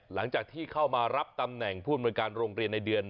หลังจากที่เข้ามารับตำแหน่งผู้อำนวยการโรงเรียนในเดือน